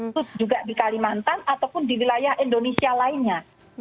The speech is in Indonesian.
itu juga di kalimantan ataupun di wilayah indonesia lainnya